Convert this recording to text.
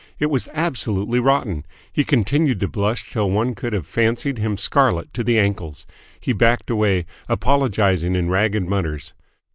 It was absolutely rotten! He continued to blush till one could have fancied him scarlet to the ankles. He backed away, apologising in ragged mutters.